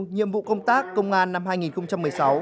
nhiệm vụ công tác công an năm hai nghìn một mươi sáu